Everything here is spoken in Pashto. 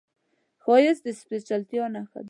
ښایست د سپېڅلتیا نښه ده